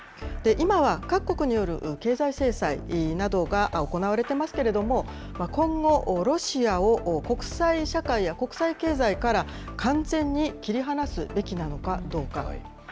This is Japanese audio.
今は、各国による経済制裁などが行われてますけれども、今後、ロシアを国際社会や国際経済から完全に切り離すべきなのかどうか。